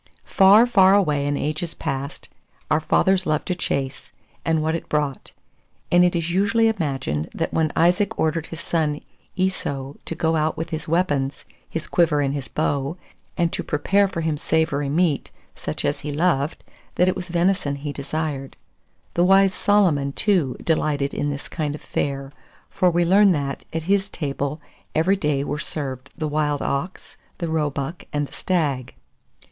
Far, far away in ages past, our fathers loved the chase, and what it brought; and it is usually imagined that when Isaac ordered his son Esau to go out with his weapons, his quiver and his bow, and to prepare for him savoury meat, such as he loved, that it was venison he desired. The wise Solomon, too, delighted in this kind of fare; for we learn that, at his table, every day were served the wild ox, the roebuck, and the stag.